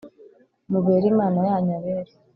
mubere Imana yanyu abera